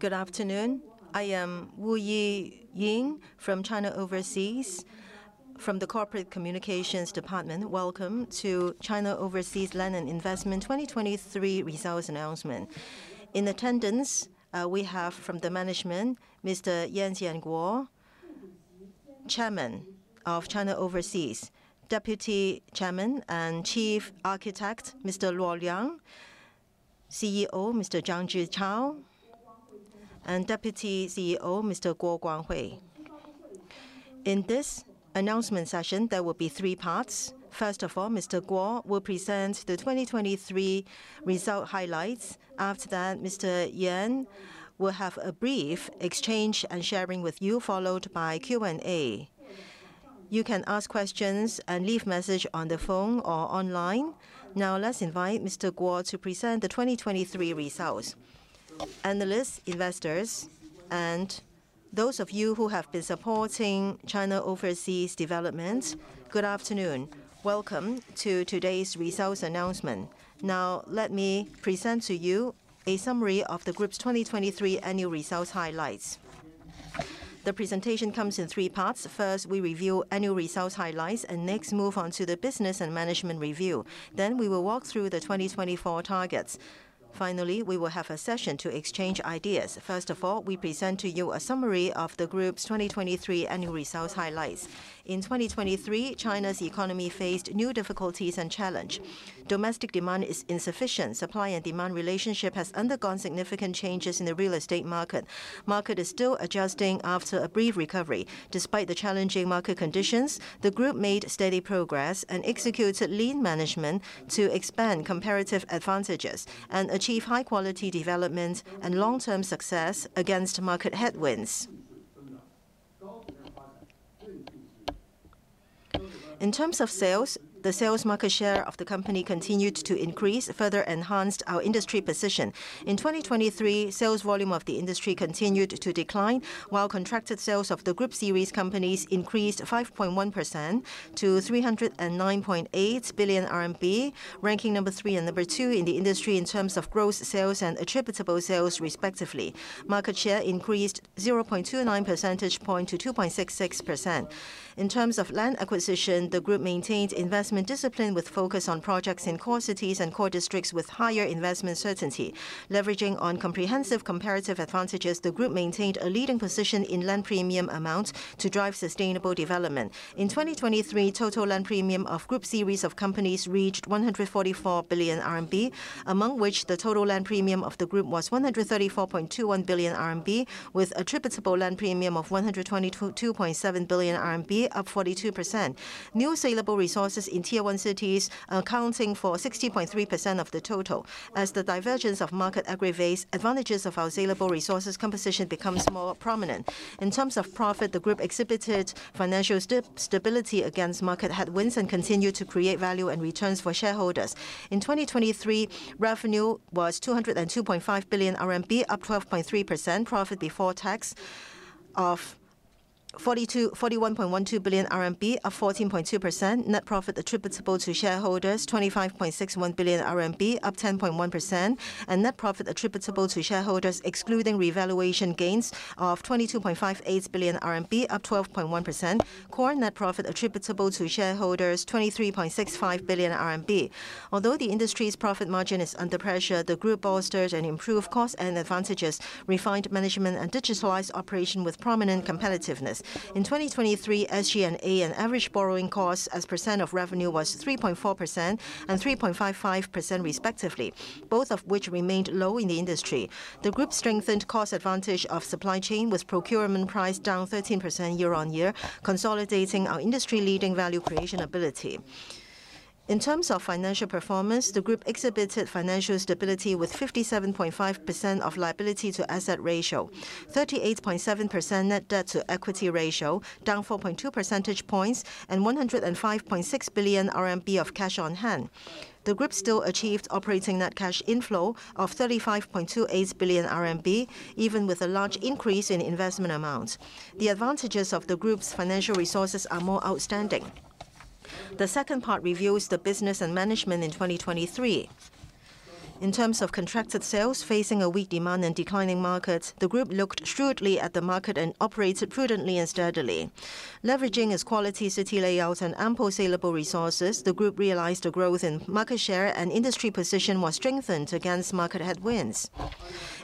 Good afternoon. I am Wu Yiying from China Overseas, from the Corporate Communications Department. Welcome to China Overseas Land & Investment 2023 results announcement. In attendance, we have from the management, Mr. Yan Zhang Zhichao, Chairman of China Overseas, Deputy Chairman and Chief Architect Mr. Luo Liang, CEO Mr. Yan Zhang Zhichao, and Deputy CEO Mr. Guo Guanghui. In this announcement session, there will be three parts. First of all, Mr. Guo will present the 2023 result highlights. After that, Mr. Yan will have a brief exchange and sharing with you, followed by Q&A. You can ask questions and leave messages on the phone or online. Now let's invite Mr. Guo to present the 2023 results. Analysts, investors, and those of you who have been supporting China Overseas development, good afternoon. Welcome to today's results announcement. Now let me present to you a summary of the group's 2023 annual results highlights. The presentation comes in three parts. First, we review annual results highlights and next move on to the business and management review. Then we will walk through the 2024 targets. Finally, we will have a session to exchange ideas. First of all, we present to you a summary of the group's 2023 annual results highlights. In 2023, China's economy faced new difficulties and challenges. Domestic demand is insufficient. Supply and demand relationship has undergone significant changes in the real estate market. Market is still adjusting after a brief recovery. Despite the challenging market conditions, the group made steady progress and executed lean management to expand comparative advantages and achieve high-quality development and long-term success against market headwinds. In terms of sales, the sales market share of the company continued to increase, further enhanced our industry position. In 2023, sales volume of the industry continued to decline, while contracted sales of the group series companies increased 5.1% to 309.8 billion RMB, ranking 3 and 2 in the industry in terms of gross sales and attributable sales, respectively. Market share increased 0.29 percentage point to 2.66%. In terms of land acquisition, the group maintained investment discipline with focus on projects in core cities and core districts with higher investment certainty. Leveraging on comprehensive comparative advantages, the group maintained a leading position in land premium amounts to drive sustainable development. In 2023, total land premium of group series of companies reached 144 billion RMB, among which the total land premium of the group was 134.21 billion RMB, with attributable land premium of 122.7 billion RMB, up 42%. Net available resources in Tier One cities accounting for 60.3% of the total. As the divergence of market aggravates, advantages of available resources composition become more prominent. In terms of profit, the group exhibited financial stability against market headwinds and continued to create value and returns for shareholders. In 2023, revenue was 202.5 billion RMB, up 12.3%. Profit before tax of 41.12 billion RMB, up 14.2%. Net profit attributable to shareholders, 25.61 billion RMB, up 10.1%. Net profit attributable to shareholders excluding revaluation gains of 22.58 billion RMB, up 12.1%. Core net profit attributable to shareholders, 23.65 billion RMB. Although the industry's profit margin is under pressure, the group bolsters and improves cost and advantages, refined management, and digitalized operation with prominent competitiveness. In 2023, SG&A and average borrowing costs as percent of revenue was 3.4% and 3.55%, respectively, both of which remained low in the industry. The group strengthened cost advantage of supply chain with procurement price down 13% year-on-year, consolidating our industry-leading value creation ability. In terms of financial performance, the group exhibited financial stability with 57.5% of liability-to-asset ratio, 38.7% net debt-to-equity ratio, down 4.2 percentage points, and 105.6 billion RMB of cash on hand. The group still achieved operating net cash inflow of 35.28 billion RMB, even with a large increase in investment amounts. The advantages of the group's financial resources are more outstanding. The second part reveals the business and management in 2023. In terms of contracted sales, facing a weak demand and declining markets, the group looked shrewdly at the market and operated prudently and steadily. Leveraging its quality city layout and ample saleable resources, the group realized a growth in market share and industry position was strengthened against market headwinds.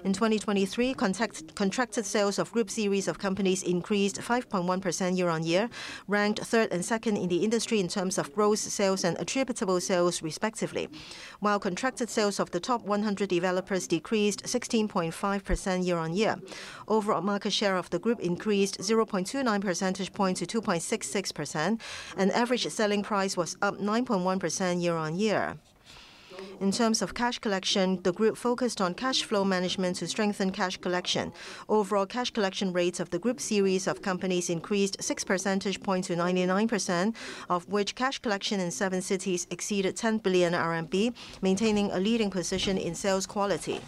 In 2023, contracted sales of group series of companies increased 5.1% year-on-year, ranked third and second in the industry in terms of gross sales and attributable sales, respectively, while contracted sales of the top 100 developers decreased 16.5% year-on-year. Overall market share of the group increased 0.29 percentage points to 2.66%, and average selling price was up 9.1% year-on-year. In terms of cash collection, the group focused on cash flow management to strengthen cash collection. Overall cash collection rates of the group series of companies increased 6 percentage points to 99%, of which cash collection in seven cities exceeded 10 billion RMB, maintaining a leading position in sales quality.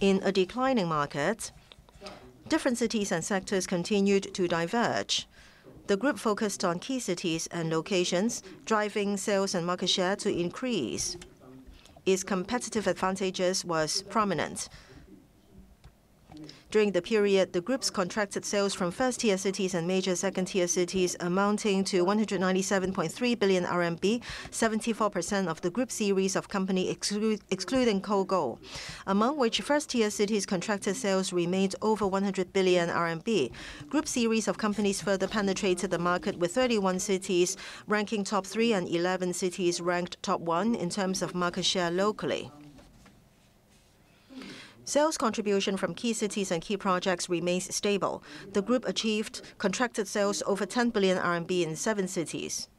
In a declining market, different cities and sectors continued to diverge. The group focused on key cities and locations, driving sales and market share to increase. Its competitive advantages were prominent. During the period, the group's contracted sales from first-tier cities and major second-tier cities amounting to 197.3 billion RMB, 74% of the group series of companies excluding COGO, among which first-tier cities' contracted sales remained over 100 billion RMB. Group series of companies further penetrated the market with 31 cities ranking top three and 11 cities ranked top one in terms of market share locally. Sales contribution from key cities and key projects remains stable. The group achieved contracted sales over 10 billion RMB in seven cities.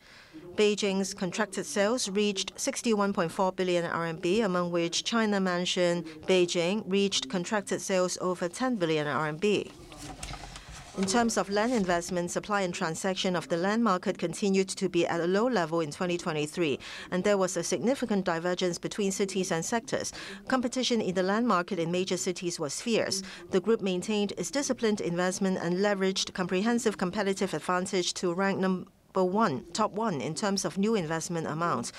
Beijing's contracted sales reached 61.4 billion RMB, among which China Mansion, Beijing, reached contracted sales over 10 billion RMB. In terms of land investment, supply and transaction of the land market continued to be at a low level in 2023, and there was a significant divergence between cities and sectors. Competition in the land market in major cities was fierce. The group maintained its disciplined investment and leveraged comprehensive competitive advantage to rank number 1, top 1 in terms of new investment amounts.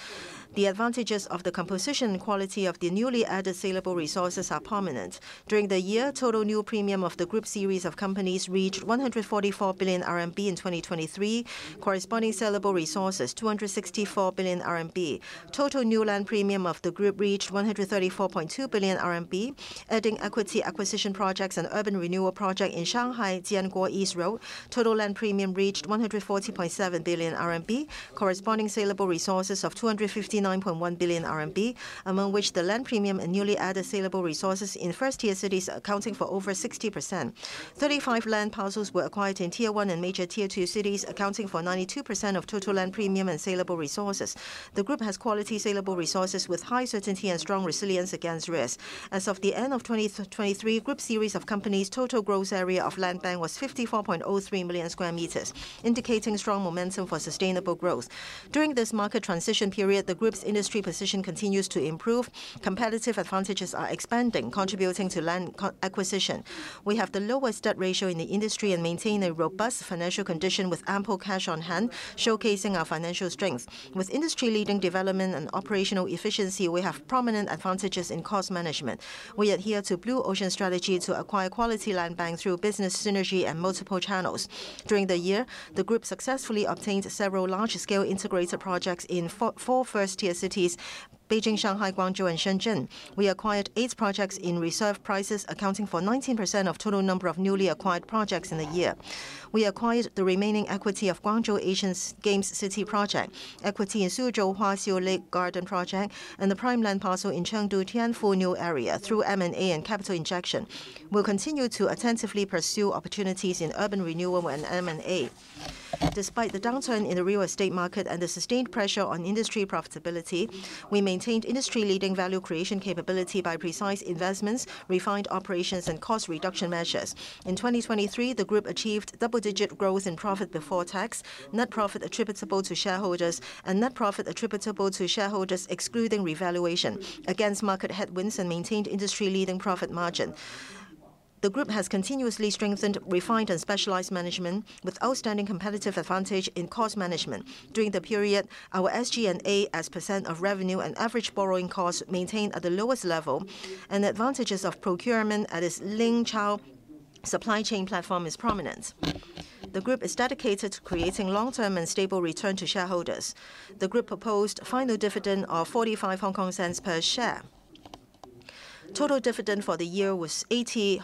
The advantages of the composition and quality of the newly added saleable resources are prominent. During the year, total new premium of the group series of companies reached 144 billion RMB in 2023, corresponding saleable resources 264 billion RMB. Total new land premium of the group reached 134.2 billion RMB, adding equity acquisition projects and urban renewal projects in Shanghai, Jianguo East Road. Total land premium reached 140.7 billion RMB, corresponding saleable resources of 259.1 billion RMB, among which the land premium and newly added saleable resources in first-tier cities accounting for over 60%. 35 land parcels were acquired in Tier One and major Tier Two cities, accounting for 92% of total land premium and saleable resources. The group has quality saleable resources with high certainty and strong resilience against risk. As of the end of 2023, group series of companies' total gross area of land bank was 54.03 million square meters, indicating strong momentum for sustainable growth. During this market transition period, the group's industry position continues to improve. Competitive advantages are expanding, contributing to land acquisition. We have the lowest debt ratio in the industry and maintain a robust financial condition with ample cash on hand, showcasing our financial strength. With industry-leading development and operational efficiency, we have prominent advantages in cost management. We adhere to Blue Ocean Strategy to acquire quality land bank through business synergy and multiple channels. During the year, the group successfully obtained several large-scale integrated projects in four first-tier cities: Beijing, Shanghai, Guangzhou, and Shenzhen. We acquired 8 projects in reserve prices, accounting for 19% of total number of newly acquired projects in the year. We acquired the remaining equity of Guangzhou Asian Games City project, equity in Suzhou Huanxiu Lake Garden project, and the prime land parcel in Chengdu Tianfu New Area through M&A and capital injection. We'll continue to attentively pursue opportunities in urban renewal and M&A. Despite the downturn in the real estate market and the sustained pressure on industry profitability, we maintained industry-leading value creation capability by precise investments, refined operations, and cost reduction measures. In 2023, the group achieved double-digit growth in profit before tax, net profit attributable to shareholders, and net profit attributable to shareholders excluding revaluation against market headwinds and maintained industry-leading profit margin. The group has continuously strengthened refined and specialized management with outstanding competitive advantage in cost management. During the period, our SG&A as percent of revenue and average borrowing costs maintained at the lowest level, and advantages of procurement at its Lingchao supply chain platform are prominent. The group is dedicated to creating long-term and stable return to shareholders. The group proposed final dividend of 45 per share. Total dividend for the year was 80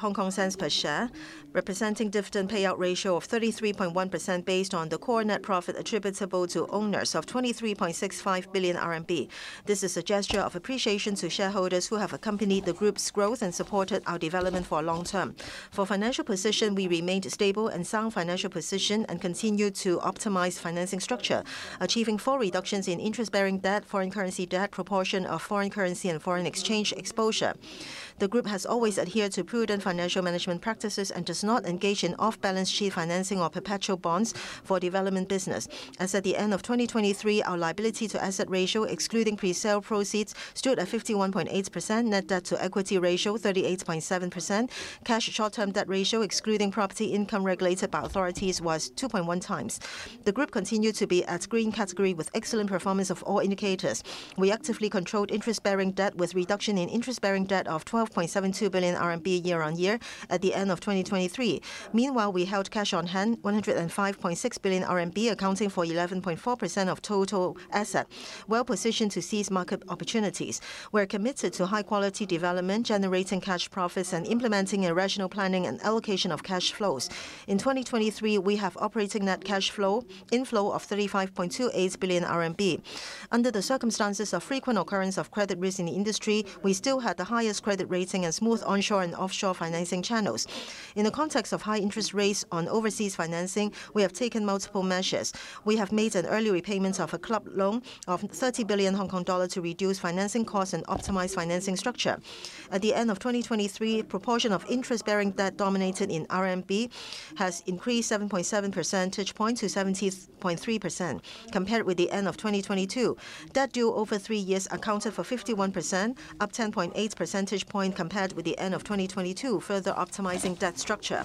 per share, representing dividend payout ratio of 33.1% based on the core net profit attributable to owners of 23.65 billion RMB. This is a gesture of appreciation to shareholders who have accompanied the group's growth and supported our development for a long term. For financial position, we remained stable and sound financial position and continued to optimize financing structure, achieving four reductions in interest-bearing debt, foreign currency debt proportion, of foreign currency, and foreign exchange exposure. The group has always adhered to prudent financial management practices and does not engage in off-balance sheet financing or perpetual bonds for development business. As at the end of 2023, our liability-to-asset ratio excluding pre-sale proceeds stood at 51.8%, net debt-to-equity ratio 38.7%, cash short-term debt ratio excluding property income regulated by authorities was 2.1 times. The group continued to be at green category with excellent performance of all indicators. We actively controlled interest-bearing debt with reduction in interest-bearing debt of 12.72 billion RMB year-on-year at the end of 2023. Meanwhile, we held cash on hand, 105.6 billion RMB, accounting for 11.4% of total asset, well positioned to seize market opportunities. We're committed to high-quality development, generating cash profits, and implementing irrational planning and allocation of cash flows. In 2023, we have operating net cash flow inflow of 35.28 billion RMB. Under the circumstances of frequent occurrence of credit risk in the industry, we still had the highest credit rating and smooth onshore and offshore financing channels. In the context of high interest rates on overseas financing, we have taken multiple measures. We have made an early repayment of a club loan of 30 billion Hong Kong dollars to reduce financing costs and optimize financing structure. At the end of 2023, proportion of interest-bearing debt dominated in RMB has increased 7.7 percentage points to 70.3% compared with the end of 2022. Debt due over three years accounted for 51%, up 10.8 percentage points compared with the end of 2022, further optimizing debt structure.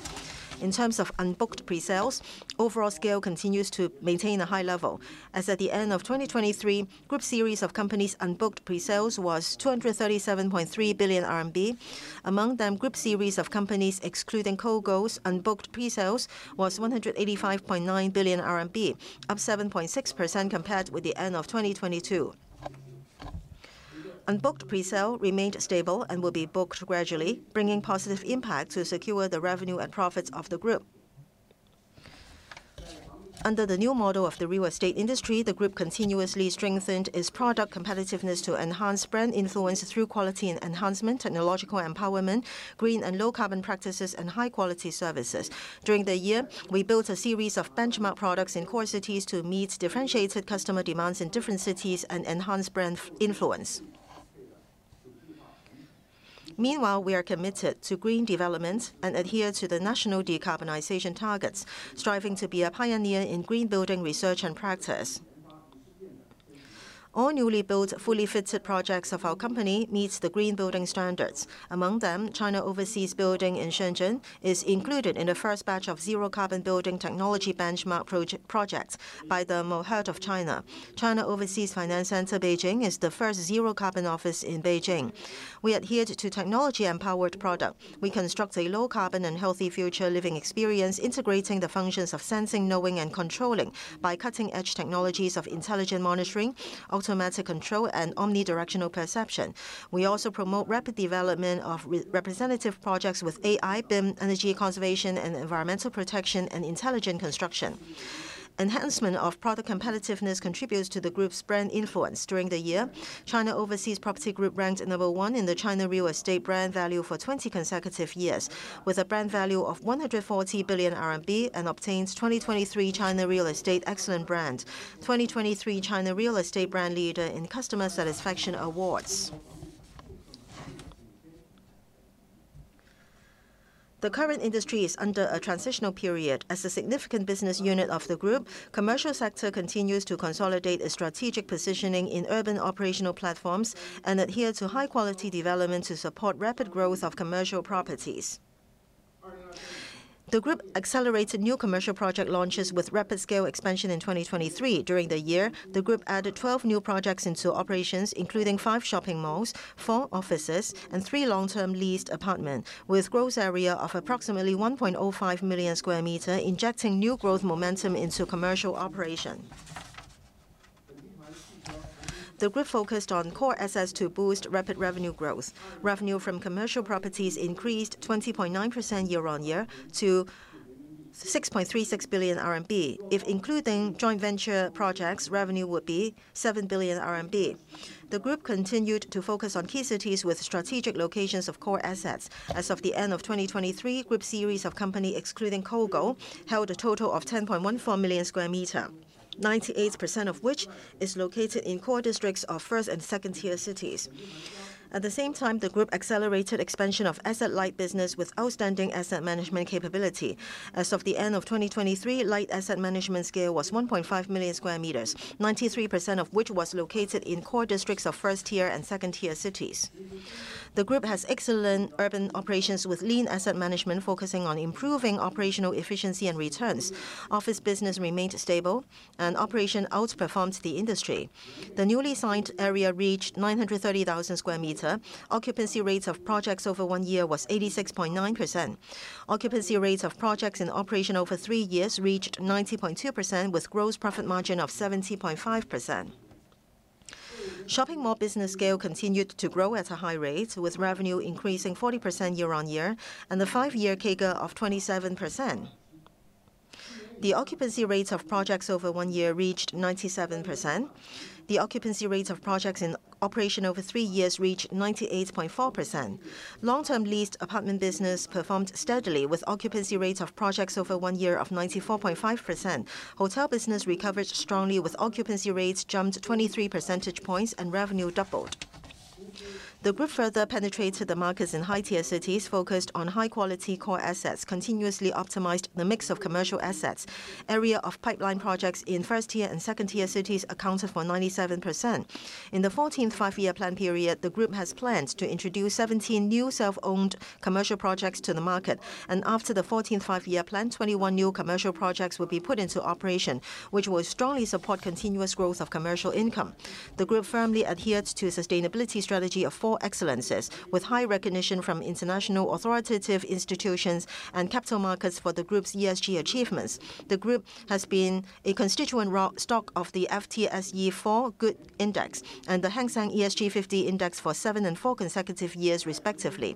In terms of unbooked pre-sales, overall scale continues to maintain a high level. As at the end of 2023, group series of companies' unbooked pre-sales was 237.3 billion RMB. Among them, group series of companies excluding COGO's unbooked pre-sales was 185.9 billion RMB, up 7.6% compared with the end of 2022. Unbooked pre-sale remained stable and will be booked gradually, bringing positive impact to secure the revenue and profits of the group. Under the new model of the real estate industry, the group continuously strengthened its product competitiveness to enhance brand influence through quality and enhancement, technological empowerment, green and low-carbon practices, and high-quality services. During the year, we built a series of benchmark products in core cities to meet differentiated customer demands in different cities and enhance brand influence. Meanwhile, we are committed to green development and adhere to the national decarbonization targets, striving to be a pioneer in green building research and practice. All newly built fully fitted projects of our company meet the green building standards. Among them, China Overseas Building in Shenzhen is included in the first batch of zero-carbon building technology benchmark projects by the MOHURD of China. China Overseas Finance Center, Beijing, is the first zero-carbon office in Beijing. We adhere to technology-empowered products. We construct a low-carbon and healthy future living experience, integrating the functions of sensing, knowing, and controlling by cutting-edge technologies of intelligent monitoring, automatic control, and omnidirectional perception. We also promote rapid development of representative projects with AI, BIM, energy conservation and environmental protection, and intelligent construction. Enhancement of product competitiveness contributes to the group's brand influence. During the year, China Overseas Property Group ranked number one in the China real estate brand value for 20 consecutive years, with a brand value of 140 billion RMB, and obtained 2023 China Real Estate Excellent Brand, 2023 China Real Estate Brand Leader in Customer Satisfaction Awards. The current industry is under a transitional period. As a significant business unit of the group, the commercial sector continues to consolidate its strategic positioning in urban operational platforms and adhere to high-quality development to support rapid growth of commercial properties. The group accelerated new commercial project launches with rapid-scale expansion in 2023. During the year, the group added 12 new projects into operations, including five shopping malls, four offices, and three long-term leased apartments, with a gross area of approximately 1.05 million square meters, injecting new growth momentum into commercial operation. The group focused on core assets to boost rapid revenue growth. Revenue from commercial properties increased 20.9% year-on-year to 6.36 billion RMB. If including joint venture projects, revenue would be 7 billion RMB. The group continued to focus on key cities with strategic locations of core assets. As of the end of 2023, group series of companies excluding COGO held a total of 10.14 million square meters, 98% of which is located in core districts of first- and second-tier cities. At the same time, the group accelerated expansion of asset-light business with outstanding asset management capability. As of the end of 2023, light asset management scale was 1.5 million square meters, 93% of which was located in core districts of first- and second-tier cities. The group has excellent urban operations with lean asset management focusing on improving operational efficiency and returns. Office business remained stable, and operation outperformed the industry. The newly signed area reached 930,000 square meters. Occupancy rate of projects over one year was 86.9%. Occupancy rate of projects in operation over three years reached 90.2%, with gross profit margin of 70.5%. Shopping mall business scale continued to grow at a high rate, with revenue increasing 40% year on year and a five-year CAGR of 27%. The occupancy rate of projects over one year reached 97%. The occupancy rate of projects in operation over three years reached 98.4%. Long-term leased apartment business performed steadily, with occupancy rate of projects over one year of 94.5%. Hotel business recovered strongly, with occupancy rates jumped 23 percentage points and revenue doubled. The group further penetrated the markets in high-tier cities, focused on high-quality core assets, continuously optimized the mix of commercial assets. Area of pipeline projects in first-tier and second-tier cities accounted for 97%. In the 14th Five-Year Plan period, the group has planned to introduce 17 new self-owned commercial projects to the market. After the 14th Five-Year Plan, 21 new commercial projects will be put into operation, which will strongly support continuous growth of commercial income. The group firmly adheres to a sustainability strategy of four excellences, with high recognition from international authoritative institutions and capital markets for the group's ESG achievements. The group has been a constituent stock of the FTSE4Good Index and the Hang Seng ESG 50 Index for 7 and 4 consecutive years, respectively.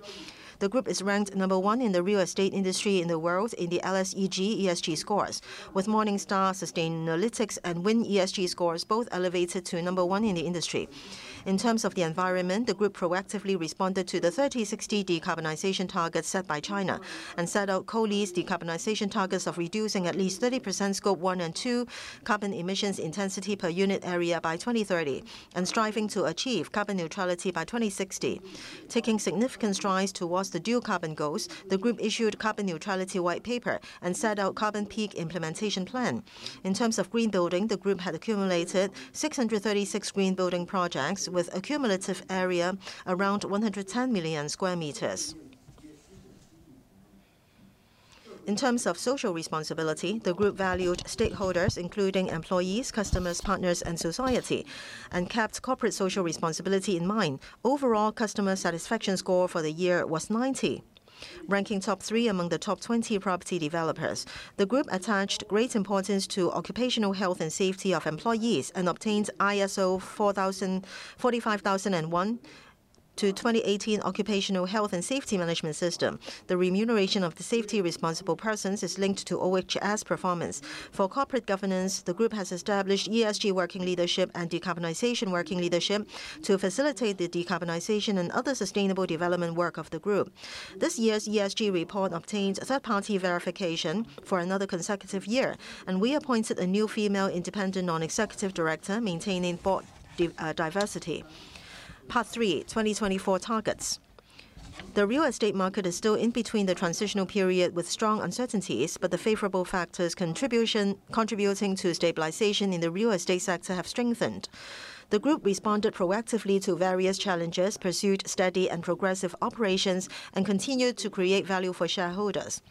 The group is ranked number one in the real estate industry in the world in the LSEG ESG scores, with Morningstar Sustainalytics and Wind ESG scores both elevated to number one in the industry. In terms of the environment, the group proactively responded to the 3060 Decarbonization Targets set by China and set out co-leased decarbonization targets of reducing at least 30% Scope 1 and 2 carbon emissions intensity per unit area by 2030 and striving to achieve carbon neutrality by 2060. Taking significant strides towards the dual carbon goals, the group issued Carbon Neutrality White Paper and set out Carbon Peak Implementation Plan. In terms of green building, the group had accumulated 636 green building projects with an accumulative area around 110 million square meters. In terms of social responsibility, the group valued stakeholders, including employees, customers, partners, and society, and kept corporate social responsibility in mind. Overall, customer satisfaction score for the year was 90. Ranking top three among the top 20 property developers, the group attached great importance to occupational health and safety of employees and obtained ISO 45001:2018 Occupational Health and Safety Management System. The remuneration of the safety responsible persons is linked to OHS performance. For corporate governance, the group has established ESG working leadership and decarbonization working leadership to facilitate the decarbonization and other sustainable development work of the group. This year's ESG report obtained third-party verification for another consecutive year, and we appointed a new female independent non-executive director maintaining thought diversity. Part Three: 2024 Targets. The real estate market is still in between the transitional period with strong uncertainties, but the favorable factors contributing to stabilization in the real estate sector have strengthened. The group responded proactively to various challenges, pursued steady and progressive operations, and continued to create value for shareholders.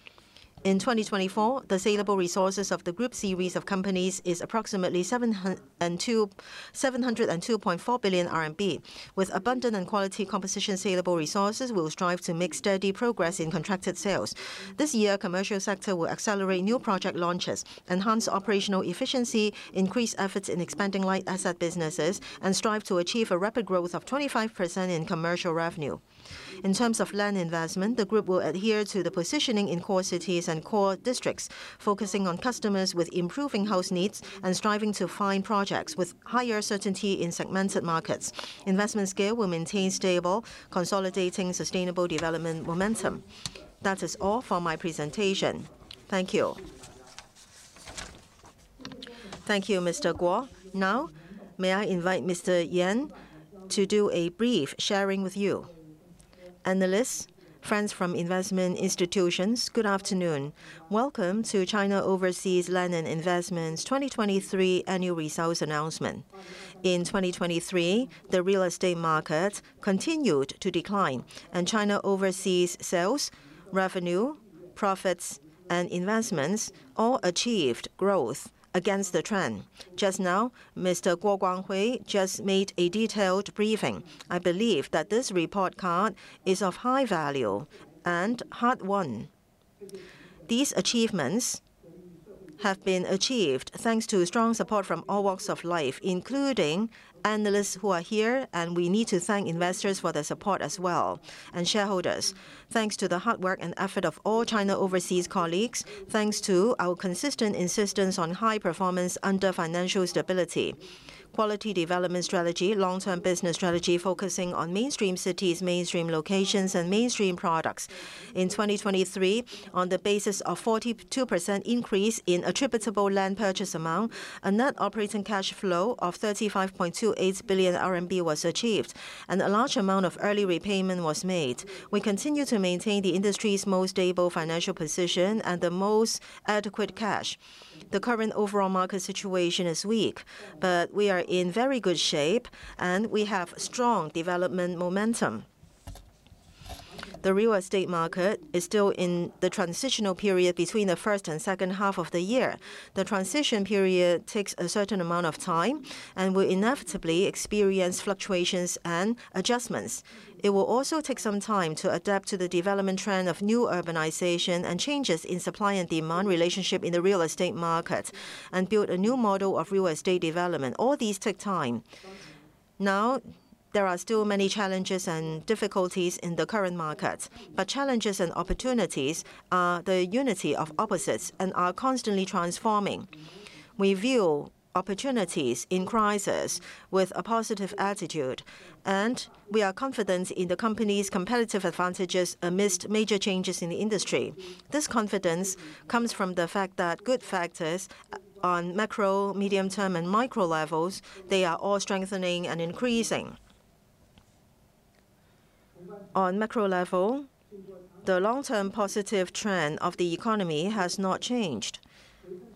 In 2024, the saleable resources of the group series of companies are approximately 702.4 billion RMB. With abundant and quality composition saleable resources, we will strive to make steady progress in contracted sales. This year, the commercial sector will accelerate new project launches, enhance operational efficiency, increase efforts in expanding light asset businesses, and strive to achieve a rapid growth of 25% in commercial revenue. In terms of land investment, the group will adhere to the positioning in core cities and core districts, focusing on customers with improving house needs and striving to find projects with higher certainty in segmented markets. Investment scale will maintain stable, consolidating sustainable development momentum. That is all for my presentation. Thank you. Thank you, Mr. Guo. Now, may I invite Mr. Yan to do a brief sharing with you. Analysts, friends from investment institutions, good afternoon. Welcome to China Overseas Land & Investment's 2023 annual resales announcement. In 2023, the real estate market continued to decline, and China Overseas' sales, revenue, profits, and investments all achieved growth against the trend. Just now, Mr. Guo Guanghui just made a detailed briefing. I believe that this report card is of high value and hard won. These achievements have been achieved thanks to strong support from all walks of life, including analysts who are here, and we need to thank investors for their support as well, and shareholders. Thanks to the hard work and effort of all China Overseas colleagues. Thanks to our consistent insistence on high performance under financial stability, quality development strategy, long-term business strategy focusing on mainstream cities, mainstream locations, and mainstream products. In 2023, on the basis of a 42% increase in attributable land purchase amount, a net operating cash flow of 35.28 billion RMB was achieved, and a large amount of early repayment was made. We continue to maintain the industry's most stable financial position and the most adequate cash. The current overall market situation is weak, but we are in very good shape, and we have strong development momentum. The real estate market is still in the transitional period between the first and second half of the year. The transition period takes a certain amount of time and will inevitably experience fluctuations and adjustments. It will also take some time to adapt to the development trend of new urbanization and changes in supply and demand relationship in the real estate market and build a new model of real estate development. All these take time. Now, there are still many challenges and difficulties in the current market, but challenges and opportunities are the unity of opposites and are constantly transforming. We view opportunities in crises with a positive attitude, and we are confident in the company's competitive advantages amidst major changes in the industry. This confidence comes from the fact that good factors on macro, medium term, and micro levels, they are all strengthening and increasing. On macro level, the long-term positive trend of the economy has not changed,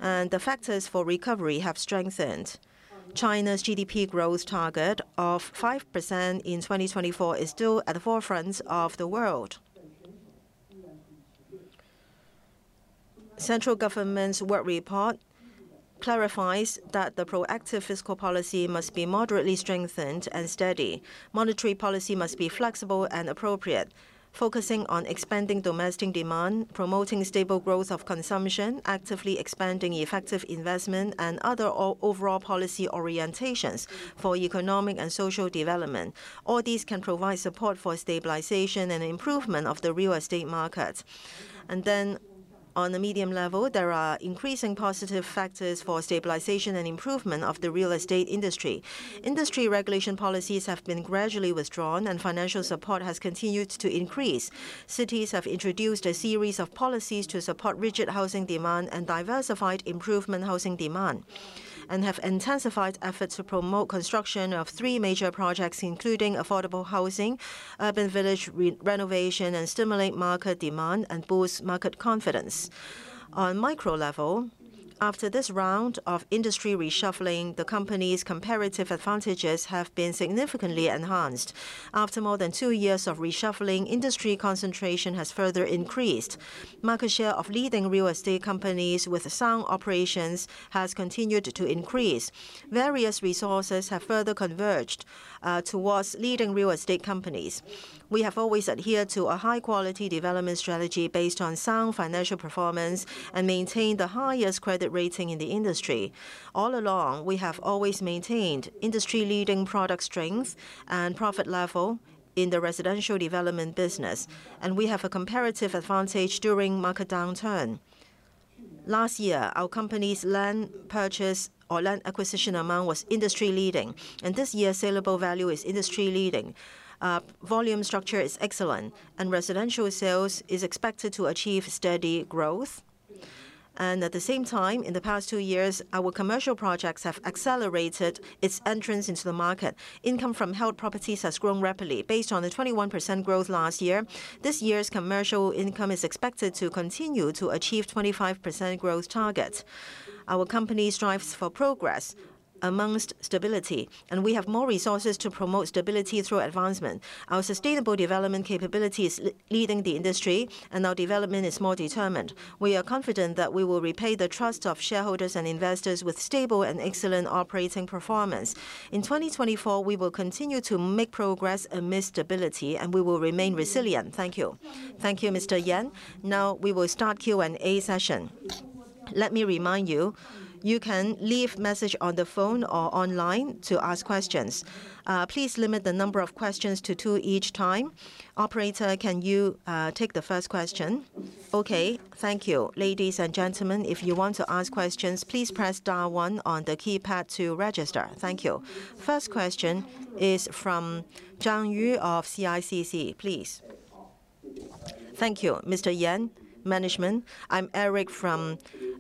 and the factors for recovery have strengthened. China's GDP growth target of 5% in 2024 is still at the forefront of the world. Central government's work report clarifies that the proactive fiscal policy must be moderately strengthened and steady. Monetary policy must be flexible and appropriate, focusing on expanding domestic demand, promoting stable growth of consumption, actively expanding effective investment, and other overall policy orientations for economic and social development. All these can provide support for stabilization and improvement of the real estate market. And then, on a medium level, there are increasing positive factors for stabilization and improvement of the real estate industry. Industry regulation policies have been gradually withdrawn, and financial support has continued to increase. Cities have introduced a series of policies to support rigid housing demand and diversified improvement housing demand, and have intensified efforts to promote construction of Three Major Projects, including affordable housing, urban village renovation, and stimulate market demand and boost market confidence. On micro level, after this round of industry reshuffling, the company's comparative advantages have been significantly enhanced. After more than two years of reshuffling, industry concentration has further increased. Market share of leading real estate companies with sound operations has continued to increase. Various resources have further converged towards leading real estate companies. We have always adhered to a high-quality development strategy based on sound financial performance and maintained the highest credit rating in the industry. All along, we have always maintained industry-leading product strength and profit level in the residential development business, and we have a comparative advantage during market downturn. Last year, our company's land purchase or land acquisition amount was industry-leading, and this year, saleable value is industry-leading. Volume structure is excellent, and residential sales are expected to achieve steady growth. At the same time, in the past two years, our commercial projects have accelerated its entrance into the market. Income from held properties has grown rapidly. Based on the 21% growth last year, this year's commercial income is expected to continue to achieve 25% growth targets. Our company strives for progress amongst stability, and we have more resources to promote stability through advancement. Our sustainable development capability is leading the industry, and our development is more determined. We are confident that we will repay the trust of shareholders and investors with stable and excellent operating performance. In 2024, we will continue to make progress amidst stability, and we will remain resilient. Thank you. Thank you, Mr. Yan. Now, we will start Q&A session. Let me remind you, you can leave a message on the phone or online to ask questions. Please limit the number of questions to two each time. Operator, can you take the first question? Okay. Thank you. Ladies and gentlemen, if you want to ask questions, please press star one on the keypad to register. Thank you. First question is from Jiang c of CICC. Please. Thank you, Mr. Yan. Management, I'm Eric from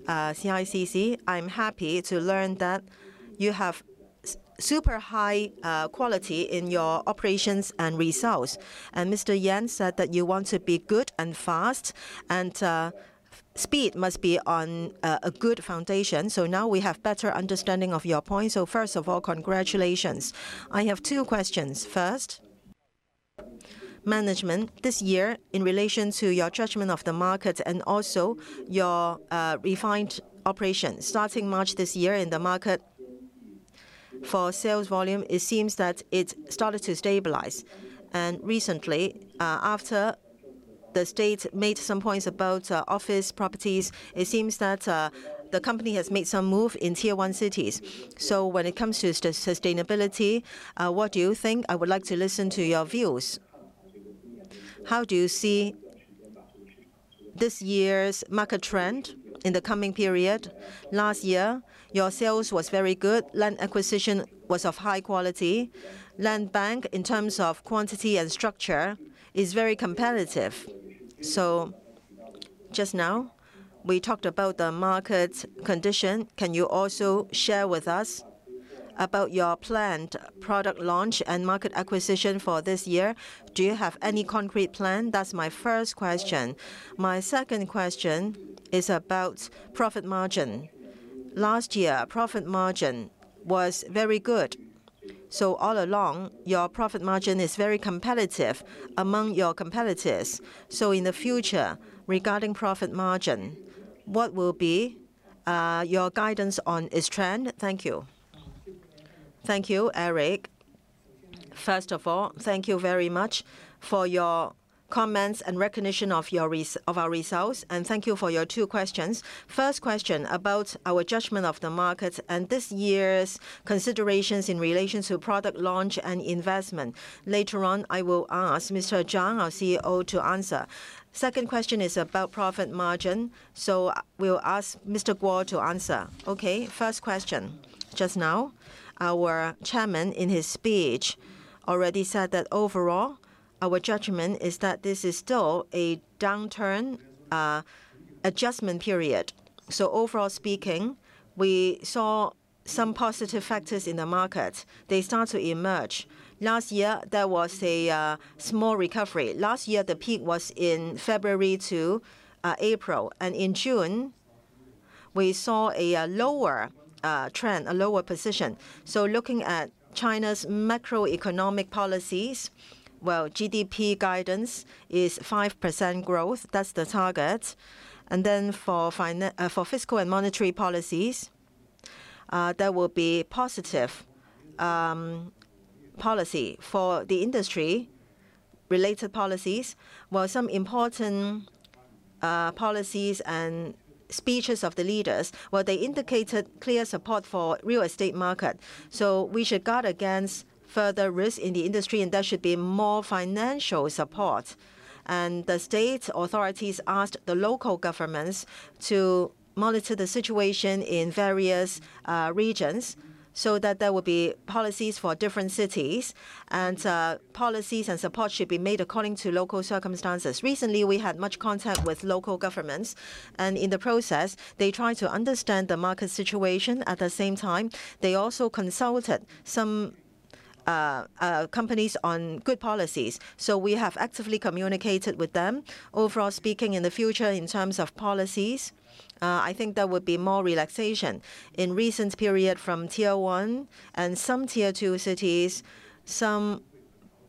CICC. I'm happy to learn that you have super high quality in your operations and results. And Mr. Yan said that you want to be good and fast, and speed must be on a good foundation. So now we have a better understanding of your point. So first of all, congratulations. I have two questions. First. Management, this year, in relation to your judgment of the market and also your refined operations, starting March this year in the market for sales volume, it seems that it started to stabilize. And recently, after the state made some points about office properties, it seems that the company has made some moves in Tier 1 cities. So when it comes to sustainability, what do you think? I would like to listen to your views. How do you see this year's market trend in the coming period? Last year, your sales were very good. Land acquisition was of high quality. Land Bank, in terms of quantity and structure, is very competitive. So just now, we talked about the market condition. Can you also share with us about your planned product launch and market acquisition for this year? Do you have any concrete plan? That's my first question. My second question is about profit margin. Last year, profit margin was very good. So all along, your profit margin is very competitive among your competitors. So in the future, regarding profit margin, what will be your guidance on this trend? Thank you. Thank you, Eric. First of all, thank you very much for your comments and recognition of our results. Thank you for your two questions. First question about our judgment of the market and this year's considerations in relation to product launch and investment. Later on, I will ask Mr. ZHIANG, our CEO, to answer. Second question is about profit margin. We will ask Mr. Guo to answer. Okay. First question. Just now, our chairman, in his speech, already said that overall, our judgment is that this is still a downturn adjustment period. Overall speaking, we saw some positive factors in the market. They start to emerge. Last year, there was a small recovery. Last year, the peak was in February to April. And in June, we saw a lower trend, a lower position. Looking at China's macroeconomic policies, well, GDP guidance is 5% growth. That's the target. And then for fiscal and monetary policies, there will be positive policy for the industry-related policies. Well, some important policies and speeches of the leaders, well, they indicated clear support for the real estate market. So we should guard against further risk in the industry, and there should be more financial support. And the state authorities asked the local governments to monitor the situation in various regions so that there will be policies for different cities, and policies and support should be made according to local circumstances. Recently, we had much contact with local governments, and in the process, they tried to understand the market situation. At the same time, they also consulted some companies on good policies. So we have actively communicated with them. Overall speaking, in the future, in terms of policies, I think there would be more relaxation. In the recent period from Tier One and some Tier Two cities, some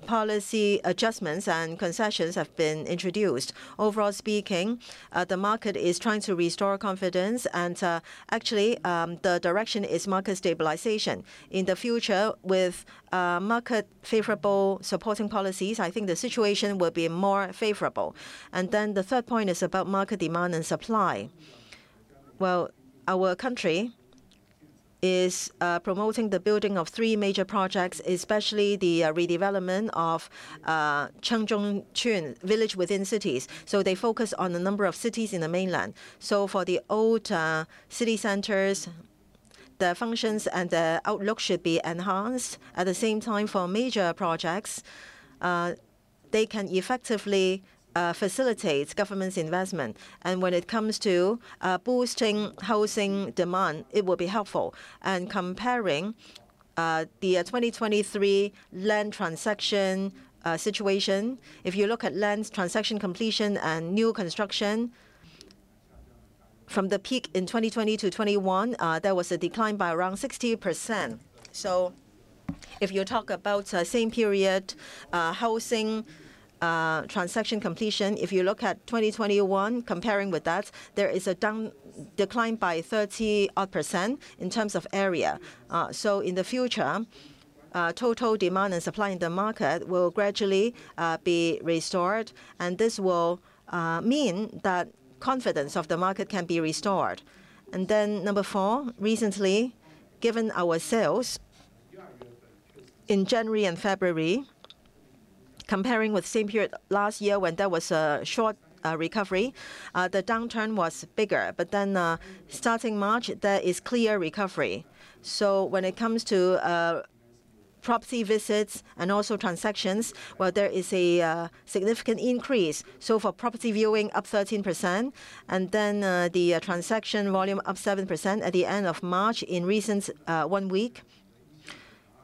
policy adjustments and concessions have been introduced. Overall speaking, the market is trying to restore confidence, and actually, the direction is market stabilization. In the future, with market-favorable supporting policies, I think the situation will be more favorable. And then the third point is about market demand and supply. Well, our country is promoting the building of Three Major Projects, especially the redevelopment of chengzhongcun, villages within cities. So they focus on the number of cities in the mainland. So for the old city centers, their functions and their outlook should be enhanced. At the same time, for major projects, they can effectively facilitate government's investment. And when it comes to boosting housing demand, it will be helpful. Comparing the 2023 land transaction situation, if you look at land transaction completion and new construction, from the peak in 2020 to 2021, there was a decline by around 60%. So if you talk about the same period, housing transaction completion, if you look at 2021, comparing with that, there is a decline by 30-odd% in terms of area. So in the future, total demand and supply in the market will gradually be restored, and this will mean that confidence of the market can be restored. And then number four, recently, given our sales in January and February, comparing with the same period last year when there was a short recovery, the downturn was bigger. But then starting March, there is clear recovery. So when it comes to property visits and also transactions, well, there is a significant increase. So for property viewing, up 13%, and then the transaction volume up 7% at the end of March in the recent one week.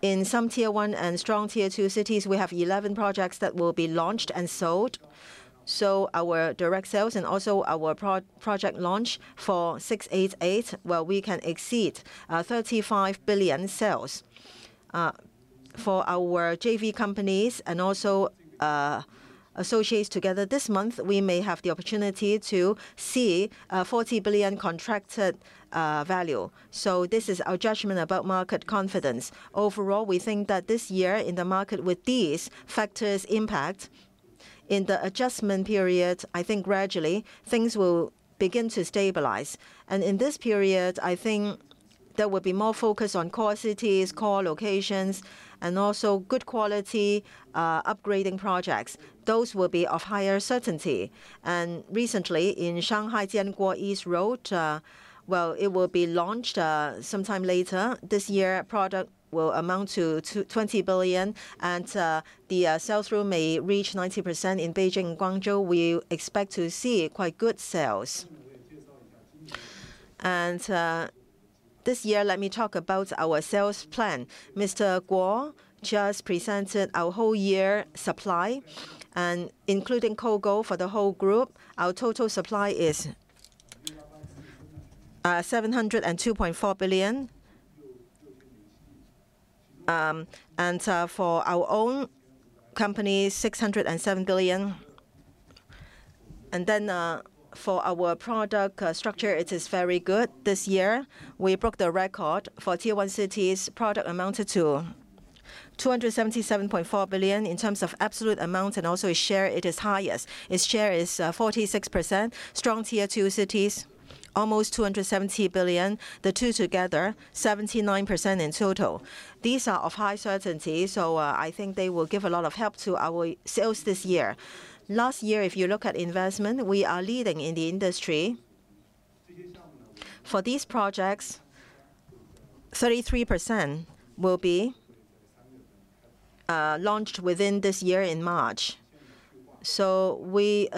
In some Tier One and strong Tier Two cities, we have 11 projects that will be launched and sold. So our direct sales and also our project launch for 688, well, we can exceed 35 billion sales. For our JV companies and also associates together this month, we may have the opportunity to see 40 billion contracted value. So this is our judgment about market confidence. Overall, we think that this year, in the market, with these factors' impact, in the adjustment period, I think gradually things will begin to stabilize. In this period, I think there will be more focus on core cities, core locations, and also good quality upgrading projects. Those will be of higher certainty. Recently, in Shanghai Jianguo East Road, well, it will be launched sometime later this year. Product will amount to 20 billion, and the sales rule may reach 90% in Beijing and Guangzhou. We expect to see quite good sales. This year, let me talk about our sales plan. Mr. Guo just presented our whole year supply, and including COGO for the whole group, our total supply is 702.4 billion. For our own company, 607 billion. Then for our product structure, it is very good this year. We broke the record for Tier One cities. Product amounted to 277.4 billion in terms of absolute amount and also its share. It is highest. Its share is 46%. Strong Tier Two cities, almost 270 billion. The two together, 79% in total. These are of high certainty, so I think they will give a lot of help to our sales this year. Last year, if you look at investment, we are leading in the industry. For these projects, 33% will be launched within this year in March. So we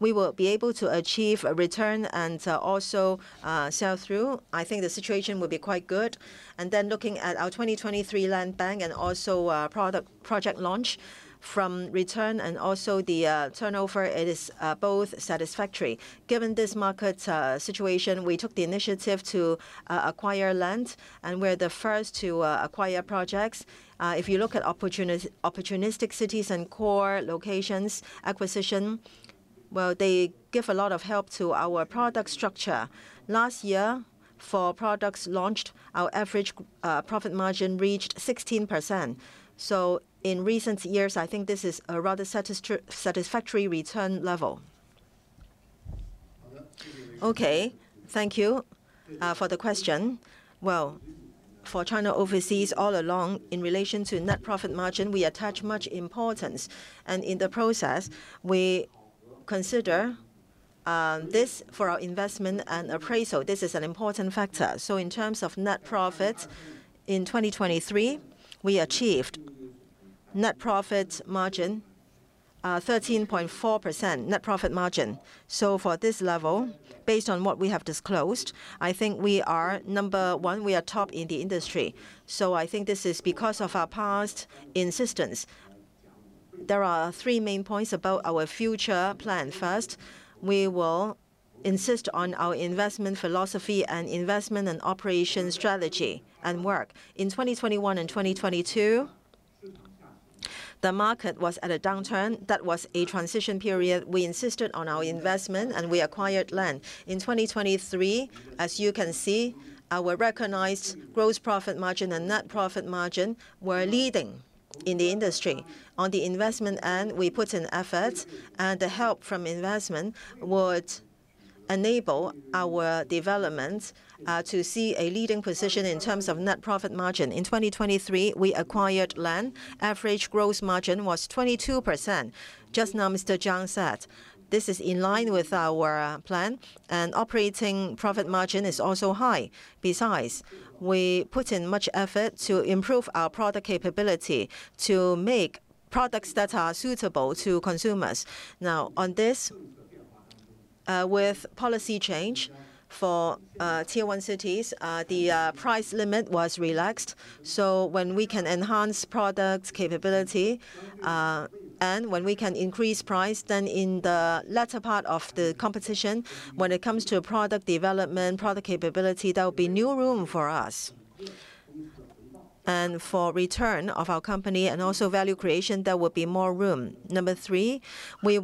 will be able to achieve a return and also sell through. I think the situation will be quite good. Then looking at our 2023 Land Bank and also product project launch, from return and also the turnover, it is both satisfactory. Given this market situation, we took the initiative to acquire land, and we're the first to acquire projects. If you look at opportunistic cities and core locations acquisition, well, they give a lot of help to our product structure. Last year, for products launched, our average profit margin reached 16%. So in recent years, I think this is a rather satisfactory return level. Okay. Thank you for the question. Well, for China Overseas, all along, in relation to net profit margin, we attach much importance. And in the process, we consider this for our investment and appraisal. This is an important factor. So in terms of net profit in 2023, we achieved net profit margin 13.4%, net profit margin. So for this level, based on what we have disclosed, I think we are number one, we are top in the industry. So I think this is because of our past insistence. There are three main points about our future plan. First, we will insist on our investment philosophy and investment and operation strategy and work. In 2021 and 2022, the market was at a downturn. That was a transition period. We insisted on our investment, and we acquired land. In 2023, as you can see, our recognized gross profit margin and net profit margin were leading in the industry. On the investment end, we put in effort, and the help from investment would enable our development to see a leading position in terms of net profit margin. In 2023, we acquired land. Average gross margin was 22%, just now Mr. Zhuang said. This is in line with our plan, and operating profit margin is also high. Besides, we put in much effort to improve our product capability to make products that are suitable to consumers. Now, on this, with policy change for Tier One cities, the price limit was relaxed. So when we can enhance product capability and when we can increase price, then in the latter part of the competition, when it comes to product development, product capability, there will be new room for us. For return of our company and also value creation, there will be more room. Number three, we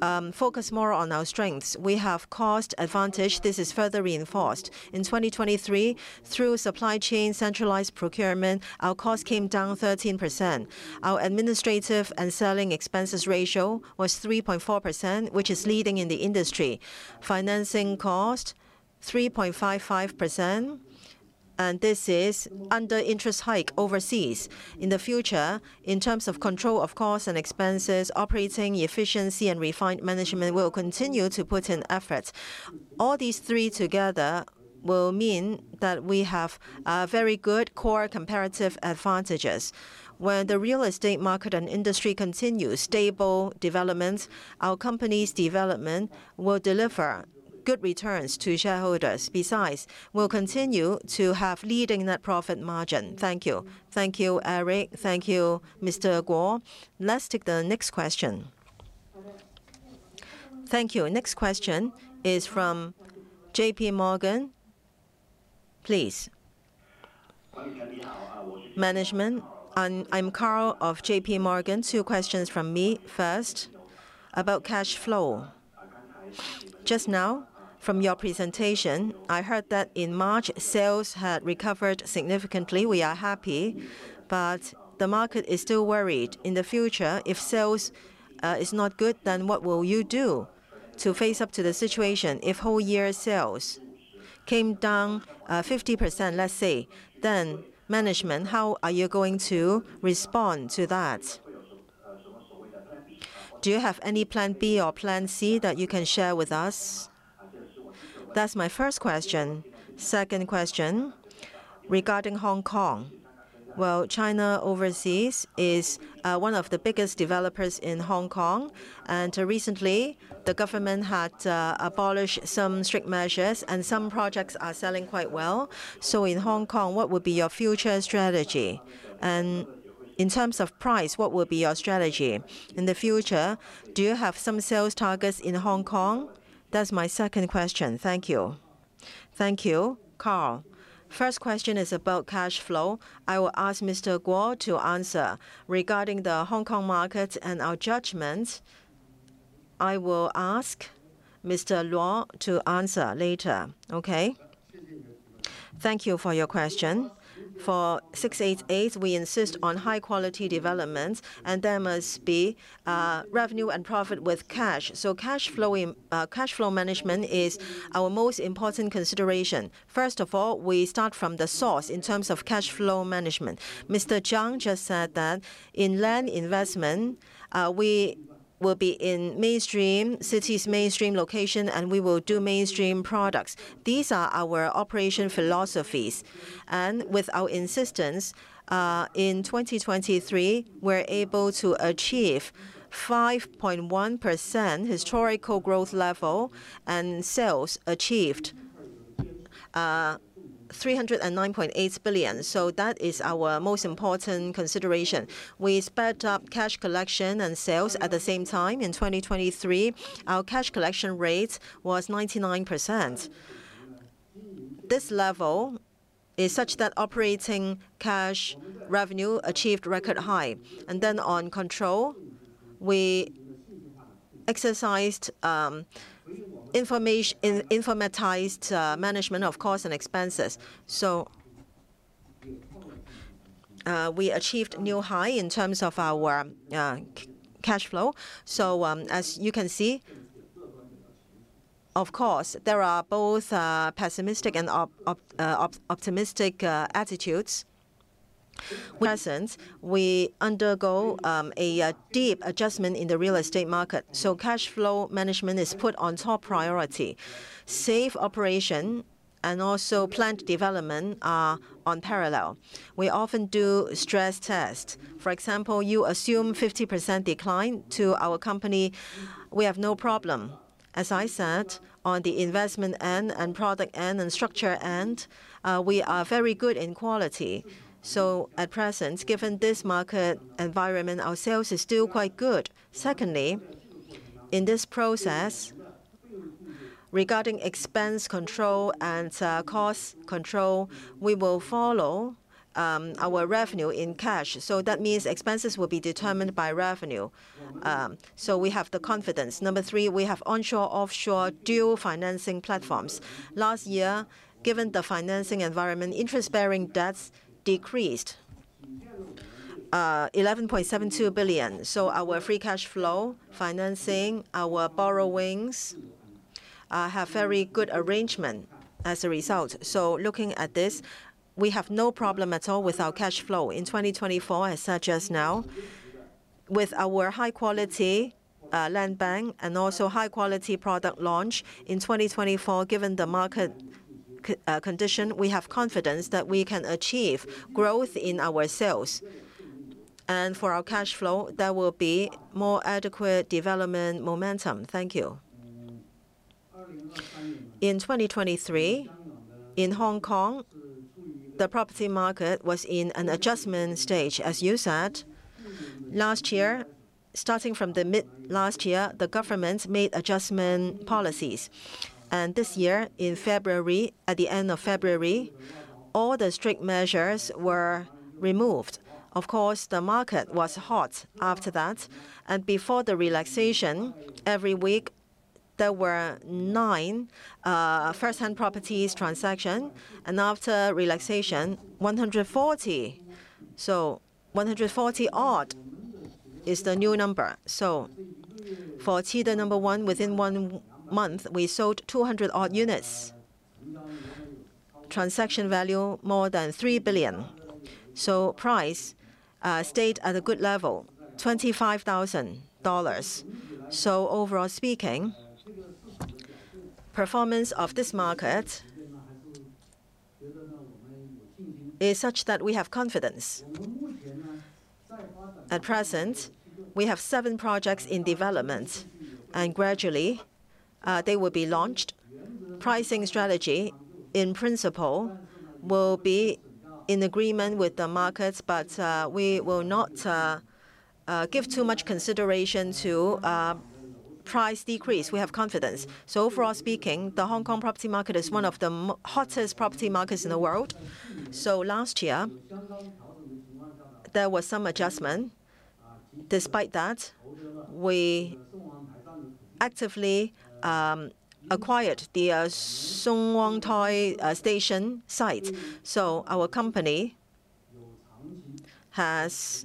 will focus more on our strengths. We have cost advantage. This is further reinforced. In 2023, through supply chain centralized procurement, our cost came down 13%. Our administrative and selling expenses ratio was 3.4%, which is leading in the industry. Financing cost 3.55%, and this is under interest hike overseas. In the future, in terms of control of costs and expenses, operating efficiency and refined management will continue to put in effort. All these three together will mean that we have very good core comparative advantages. When the real estate market and industry continue stable development, our company's development will deliver good returns to shareholders. Besides, we will continue to have leading net profit margin. Thank you. Thank you, Eric. Thank you, Mr. Guo. Let's take the next question. Thank you. Next question is from J.P. Morgan. Please. Management, I'm Carl of J.P. Morgan. Two questions from me. First, about cash flow. Just now, from your presentation, I heard that in March, sales had recovered significantly. We are happy, but the market is still worried. In the future, if sales are not good, then what will you do to face up to the situation if whole year sales came down 50%, let's say, then management, how are you going to respond to that? Do you have any plan B or plan C that you can share with us? That's my first question. Second question regarding Hong Kong. Well, China Overseas is one of the biggest developers in Hong Kong, and recently, the government had abolished some strict measures, and some projects are selling quite well. So in Hong Kong, what would be your future strategy? And in terms of price, what would be your strategy in the future? Do you have some sales targets in Hong Kong? That's my second question. Thank you. Thank you, Carl. First question is about cash flow. I will ask Mr. Guo to answer. Regarding the Hong Kong market and our judgment, I will ask Mr. Luo to answer later. Okay. Thank you for your question. For 688, we insist on high-quality development, and there must be revenue and profit with cash. So cash flow management is our most important consideration. First of all, we start from the source in terms of cash flow management. Mr. Zhiang just said that in land investment, we will be in mainstream cities, mainstream location, and we will do mainstream products. These are our operation philosophies. With our insistence, in 2023, we're able to achieve 5.1% historical growth level, and sales achieved 309.8 billion. So that is our most important consideration. We sped up cash collection and sales at the same time. In 2023, our cash collection rate was 99%. This level is such that operating cash revenue achieved record high. And then on control, we exercised informatized management of costs and expenses. So we achieved new high in terms of our cash flow. So as you can see, of course, there are both pessimistic and optimistic attitudes. At present, we undergo a deep adjustment in the real estate market. So cash flow management is put on top priority. Safe operation and also planned development are on parallel. We often do stress tests. For example, you assume 50% decline to our company. We have no problem. As I said, on the investment end and product end and structure end, we are very good in quality. So at present, given this market environment, our sales are still quite good. Secondly, in this process, regarding expense control and cost control, we will follow our revenue in cash. So that means expenses will be determined by revenue. So we have the confidence. Number three, we have onshore, offshore, dual financing platforms. Last year, given the financing environment, interest-bearing debts decreased 11.72 billion. So our free cash flow financing, our borrowings have a very good arrangement as a result. So looking at this, we have no problem at all with our cash flow in 2024, as such as now, with our high-quality land bank and also high-quality product launch in 2024. Given the market condition, we have confidence that we can achieve growth in our sales. For our cash flow, there will be more adequate development momentum. Thank you. In 2023, in Hong Kong, the property market was in an adjustment stage, as you said. Last year, starting from the mid last year, the government made adjustment policies. This year, in February, at the end of February, all the strict measures were removed. Of course, the market was hot after that. Before the relaxation, every week, there were 9 first-hand properties transactions. After relaxation, 140. So 140-odd is the new number. For Tier 1 within one month, we sold 200-odd units, transaction value more than 3 billion. So price stayed at a good level, 25,000 dollars. Overall speaking, performance of this market is such that we have confidence. At present, we have seven projects in development, and gradually, they will be launched. Pricing strategy, in principle, will be in agreement with the markets, but we will not give too much consideration to price decrease. We have confidence. So overall speaking, the Hong Kong property market is one of the hottest property markets in the world. So last year, there was some adjustment. Despite that, we actively acquired the Song Wong Toi Station Site. So our company has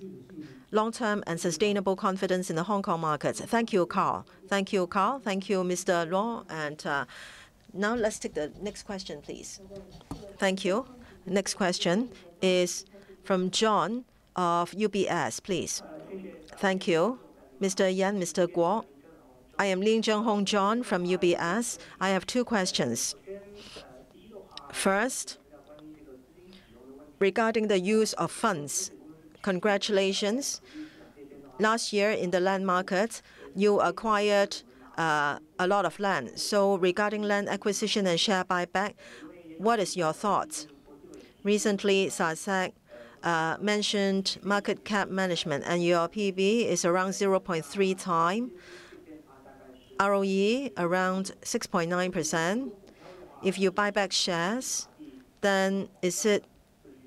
long-term and sustainable confidence in the Hong Kong market. Thank you, Carl. Thank you, Carl. Thank you, Mr. Luo. And now let's take the next question, please. Thank you. Next question is from John of UBS, please. Thank you, Mr. Yan, Mr. Guo. I am Liang Zhenghong, John from UBS. I have two questions. First, regarding the use of funds, congratulations. Last year, in the land market, you acquired a lot of land. So regarding land acquisition and share buyback, what is your thought? Recently, SASAC mentioned market cap management, and your PB is around 0.3x, ROE around 6.9%. If you buy back shares, then is it